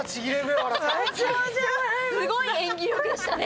すごい演技力でしたね。